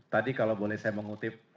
tadi kalau boleh saya mengutip